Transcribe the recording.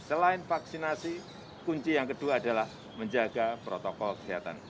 selain vaksinasi kunci yang kedua adalah menjaga protokol kesehatan